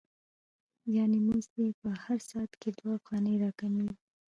یانې مزد یې په هر ساعت کې دوه افغانۍ را کمېږي